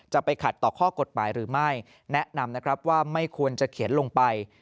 จะไปขัดต่อข้อกฎหมายหรือไม่แนะนำนะครับว่าไม่ควรจะเขียนลงไป